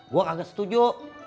gua kagak setuju